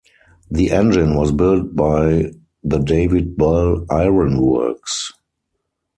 The engine was built by the David Bell Iron Works.